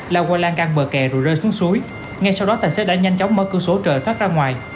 lao qua lan càng bờ kè rồi rơi xuống suối ngay sau đó tài xế đã nhanh chóng mở cơ số trời thoát ra ngoài